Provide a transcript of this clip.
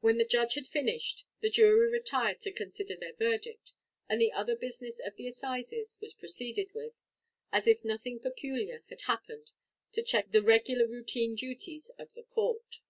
When the judge had finished, the jury retired to consider their verdict; and the other business of the assizes was proceeded with, as if nothing peculiar had happened to check the regular routine duties of the court.